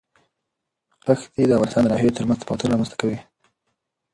ښتې د افغانستان د ناحیو ترمنځ تفاوتونه رامنځ ته کوي.